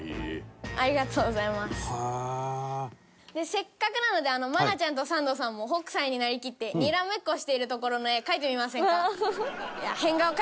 せっかくなので愛菜ちゃんとサンドさんも北斎になりきってにらめっこしているところの絵描いてみませんか？